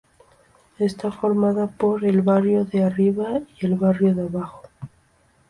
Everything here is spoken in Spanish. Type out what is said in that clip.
Está formado por el Barrio de Arriba y el Barrio de Abajo.